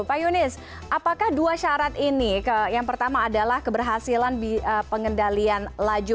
pak yunis apakah dua syarat ini yang pertama adalah keberhasilan pengendalian laju